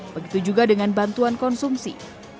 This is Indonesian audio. begitu juga dengan bantuan konsumsi